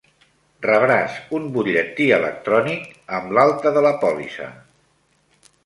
Rebràs un butlletí electrònic amb l'alta de la pòlissa.